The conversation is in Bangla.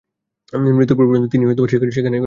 মৃত্যুর পূর্ব পর্যন্ত তিনি সেখানেই কর্মরত ছিলেন।